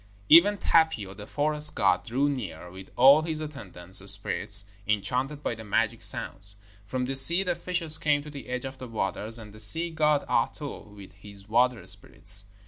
Even Tapio the forest god drew near, with all his attendant spirits, enchanted by the magic sounds. From the sea the fishes came to the edge of the waters, and the sea god Ahto with his water spirits.